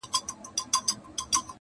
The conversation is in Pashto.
په میوندونو کي د زغرو قدر څه پیژني-